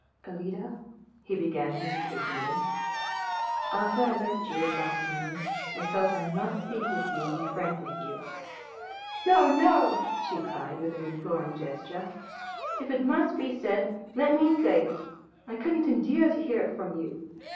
"Alida," he began hesitatingly, "after I left you this noon I felt I must speak with and be frank with you." "No, no!!" she cried, with an imploring gesture, "if it must be said, let me say it. I couldn't endure to hear it from you.